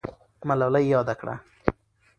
ملالۍ یاده کړه.